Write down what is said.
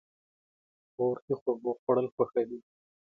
خور د خوږو خوړل خوښوي.